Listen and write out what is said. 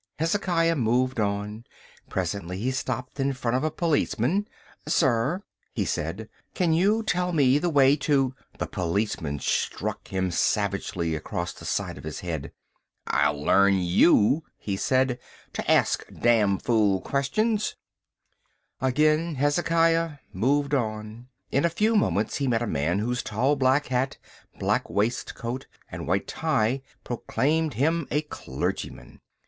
Hezekiah moved on. Presently he stopped in front of a policeman. "Sir," he said, "can you tell me the way to—" The policeman struck him savagely across the side of the head. "I'll learn you," he said, "to ask damn fool questions—" Again Hezekiah moved on. In a few moments he met a man whose tall black hat, black waistcoat and white tie proclaimed him a clergyman.